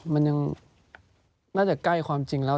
มันยังน่าจะใกล้ความจริงแล้ว